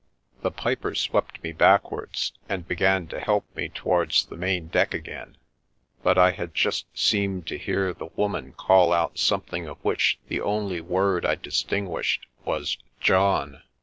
The piper swept me backwards, and began to help me towards the main deck again, but I had just seemed to hear the woman call out something of which the only word I distinguished was " John."